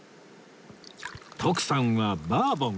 徳さんはバーボンを